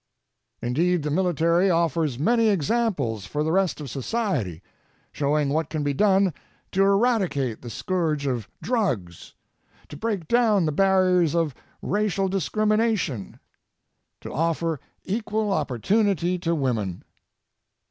Indeed, the military offers many examples for the rest of society, showing what can be done to eradicate the scourge of drugs, to break down the barriers of racial discrimination, to offer equal opportunity to women.